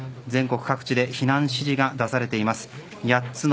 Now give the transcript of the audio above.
全国各地で避難指示が出されています。